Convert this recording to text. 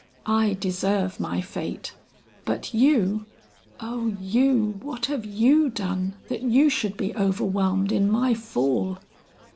I deserve my fate, but you Oh you what have you done that you should be overwhelmed in my fall!"